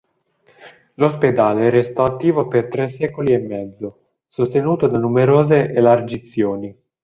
L'ospedale resto attivo per tre secoli e mezzo, sostenuto da numerose elargizioni.